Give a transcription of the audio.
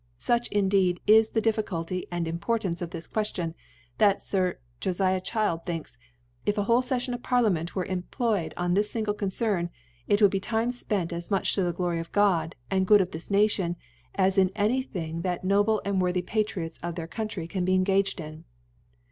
Such, indeed, is the Difficulty and Importance of this Queftion, that Sir "^Gfiab Child thinks, if a whole Sejfion of Parliament were employed en thisfingle Concern ^ it would he Time fpent as much to the Glory of God^ and Good of this Nation^ as in any thing that noble and worthy Patriots of their Country can be engaged in.